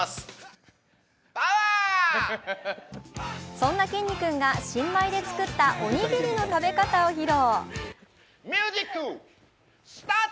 そんなきんに君が新米で作ったおにぎりの食べ方を披露。